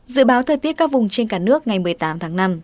dự báo thời tiết các vùng trên cả nước ngày một mươi tám tháng năm